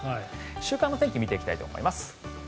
週間の天気を見ていきたいと思います。